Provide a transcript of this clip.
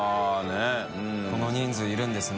佑Аこの人数いるんですね。